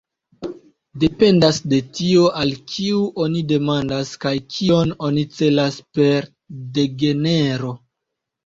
Dependas de tio, al kiu oni demandas kaj kion oni celas per "degenero".